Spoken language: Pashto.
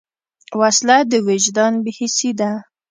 وسله د وجدان بېحسي ده